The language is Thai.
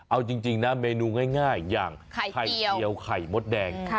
เอาจริงนะเมนูง่ายอย่างไข่เจียวไข่มดแดง